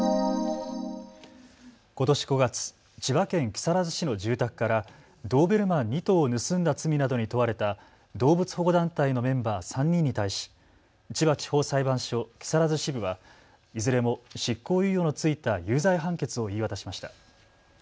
ことし５月、千葉県木更津市の住宅からドーベルマン２頭を盗んだ罪などに問われた動物保護団体のメンバー３人に対し、千葉地方裁判所木更津支部はいずれも執行猶予の付いた有罪判決を言い渡しました。